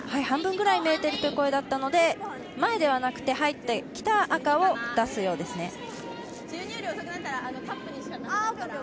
半分ぐらい見えてる状態だったので、前ではなくて入ってきた赤を出すようですね。